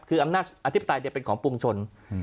คืออังนักอธิบดายเนี่ยเป็นของปวงชน